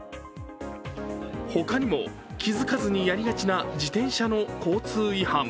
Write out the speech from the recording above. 他にも気付かずにやりがちな自転車の交通違反。